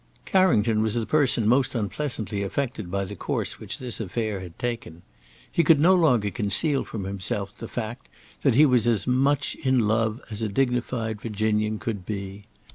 Carrington was the person most unpleasantly affected by the course which this affair had taken. He could no longer conceal from himself the fact that he was as much m love as a dignified Virginian could be.